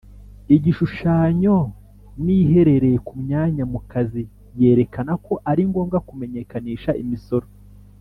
Igishushanyo n ihereye ku myanya mu kazi yerekana ko ari ngombwa kumenyekanisha imisoro